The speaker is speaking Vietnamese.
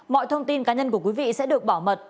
mọi thông tin cá nhân của quý vị sẽ được bảo mật